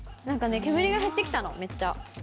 なんか煙が減ってきたの、めっちゃ。